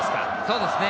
そうですね。